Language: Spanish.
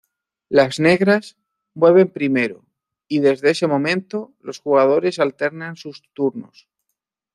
Las Negras mueven primero y desde ese momento los jugadores alternan sus turnos.